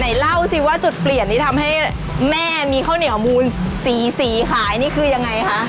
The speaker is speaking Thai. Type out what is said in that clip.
เล่าสิว่าจุดเปลี่ยนที่ทำให้แม่มีข้าวเหนียวมูลสีสีขายนี่คือยังไงคะ